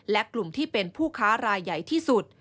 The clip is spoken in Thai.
และกลุ่มที่เป็นผู้ค้ารายใหญ่ที่สุด